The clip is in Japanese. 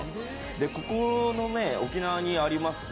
ここの沖縄にあります